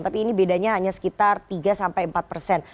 tapi ini bedanya hanya sekitar tiga sampai empat persen